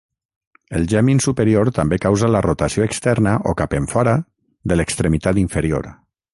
El gemin superior també causa la rotació externa o cap enfora de l'extremitat inferior.